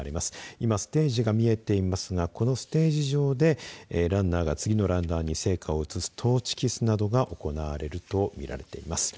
今、ステージが見えていますがこのステージ上でランナーが次のランナーに移すトーチキスなどが行われるとみられています。